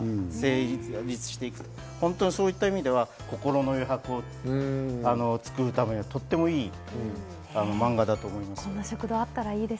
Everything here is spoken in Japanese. そういった意味では、心の余白を作るために、とてもいい漫画だと思います。